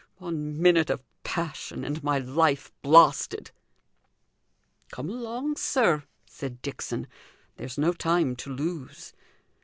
One minute of passion, and my life blasted!" "Come along, sir," said Dixon; "there's no time to lose."